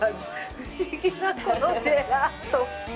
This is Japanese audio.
不思議だこのジェラート。